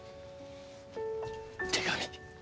手紙。